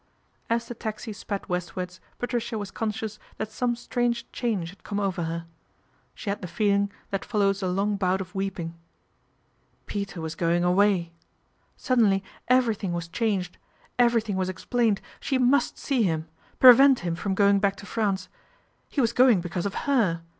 As the taxi sped westwards Patricia was con scious that some strange change had come over her. She had the feeling that follows a long bout of weeping. Peter was going away ! Suddenly everything was changed ! Everything was ex plained ! She must see him ! Prevent him from going back to France ! He was going because of her